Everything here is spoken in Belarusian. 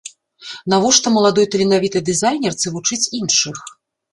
Навошта маладой таленавітай дызайнерцы вучыць іншых?